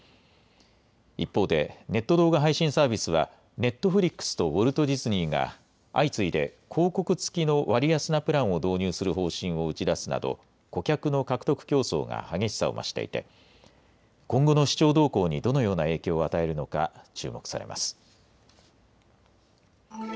一方で、ネット動画配信サービスは、ネットフリックスとウォルト・ディズニーが、相次いで、広告付きの割安なプランを導入する方針を打ち出すなど、顧客の獲得競争が激しさを増していて、今後の視聴動向にどのような影響を与えるのか、注目されます。